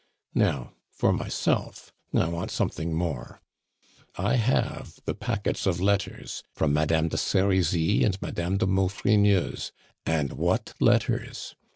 "Now, for myself, I want something more. I have the packets of letters from Madame de Serizy and Madame de Maufrigneuse. And what letters!